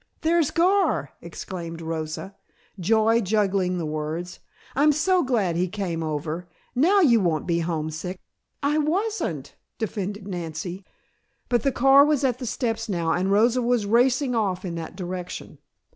"There's Gar!" exclaimed Rosa, joy juggling the words. "I'm so glad he came over! Now, you won't be homesick." "I wasn't," defended Nancy. But the car was at the steps now and Rosa was racing off in that direction.